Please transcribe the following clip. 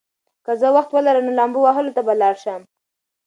که زه وخت ولرم، نو لامبو وهلو ته به لاړ شم.